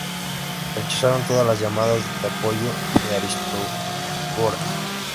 Rechazaron todas las llamadas de apoyo de Aristágoras.